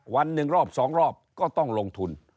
วันหนึ่งรอบ๒รอบก็ต้องลงทุน